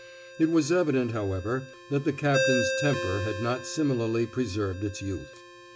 It was evident, however, that the captain's temper had not similarly preserved its youth.